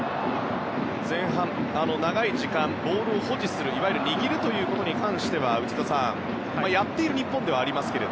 前半、長い時間ボールを保持するいわゆる握るということに関しては内田さんやっている日本ではありますが。